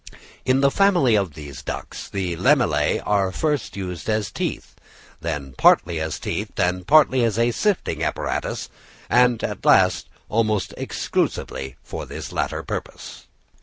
In the family of the ducks, the lamellæ are first used as teeth, then partly as teeth and partly as a sifting apparatus, and at last almost exclusively for this latter purpose.